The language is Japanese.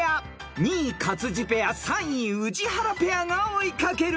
［２位勝地ペア３位宇治原ペアが追い掛ける］